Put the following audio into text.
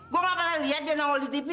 gue nggak pernah lihat dia nongol di tv